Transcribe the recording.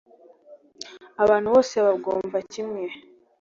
Abantu bose babwumva kimwe?